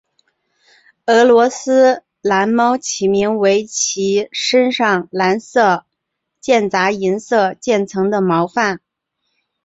俄罗斯蓝猫起名为其身上蓝色间杂银色渐层的毛发。